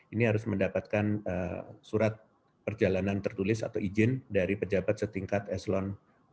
ini harus mendapatkan surat perjalanan tertulis atau izin dari pejabat setingkat eslon dua